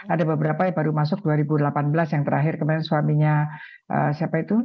ada beberapa yang baru masuk dua ribu delapan belas yang terakhir kemarin suaminya siapa itu